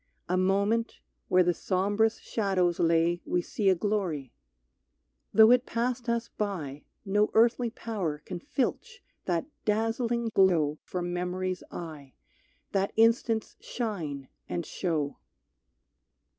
A moment, where the sombrous shadows lay We see a glory. Though it passed us by No earthly power can filch that dazzling glow From memory's eye, that instant's shine and show.